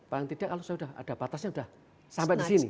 paling tidak kalau sudah ada batasnya sudah sampai di sini